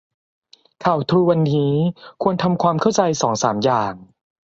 ข่าวทรูวันนี้ควรทำความเข้าใจสองสามอย่าง